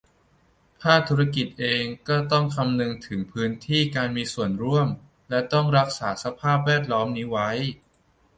ภาคธุรกิจเองก็ต้องคำนึงถึงพื้นที่การมีส่วนร่วม และ ต้องรักษาสภาพแวดล้อมนี้ไว้